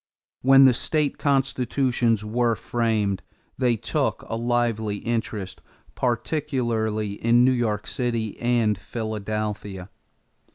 When the state constitutions were framed they took a lively interest, particularly in New York City and Philadelphia.